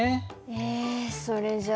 えそれじゃあ。